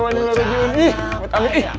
bukannya pa' ya